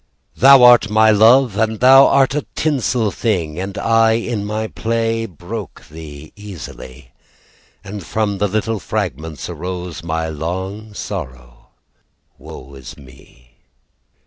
Thou are my love, And thou art a tinsel thing, And I in my play Broke thee easily, And from the little fragments Arose my long sorrow Woe is me.